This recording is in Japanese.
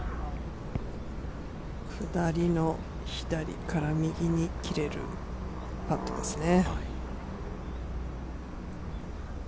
下りの左から右に切れるパットですね。